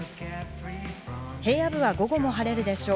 平野部は午後も晴れるでしょう。